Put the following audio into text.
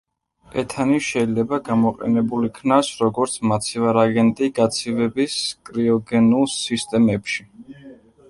ეთანი შეიძლება გამოყენებულ იქნას როგორც მაცივარ აგენტი გაცივების კრიოგენულ სისტემებში.